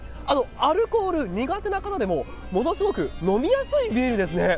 アルコール苦手な方でも、ものすごく飲みやすいビールですね。